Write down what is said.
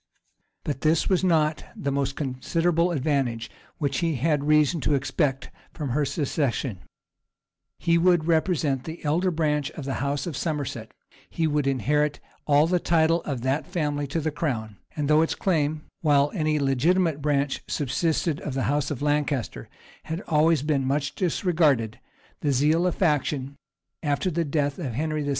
But this was not the most considerable advantage which he had reason to expect from her succession: he would represent the elder branch of the house of Somerset; he would inherit all the title of that family to the crown; and though its claim, while any legitimate branch subsisted of the house of Lancaster, had always been much disregarded, the zeal of faction, after the death of Henry VI.